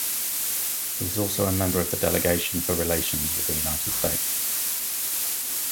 He is also a member of the Delegation for relations with the United States.